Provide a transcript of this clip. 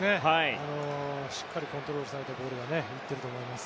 しっかりコントロールされたボールが行ってると思います。